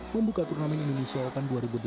membuka turnamen indonesia open dua ribu delapan belas